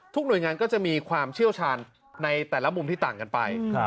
หน่วยงานก็จะมีความเชี่ยวชาญในแต่ละมุมที่ต่างกันไป